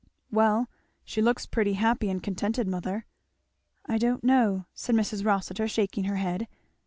"Well, she looks pretty happy and contented, mother." "I don't know!" said Mrs. Rossitur shaking her head.